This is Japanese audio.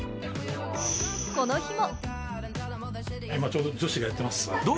この日も。